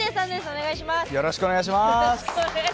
お願いします。